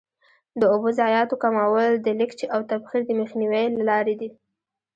د اوبو ضایعاتو کمول د لیکج او تبخیر د مخنیوي له لارې.